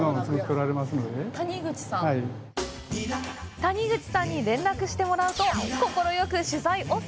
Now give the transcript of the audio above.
谷口さんに連絡してもらうと、快く取材ＯＫ！